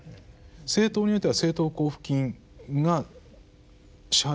政党においては政党交付金が支払われてる。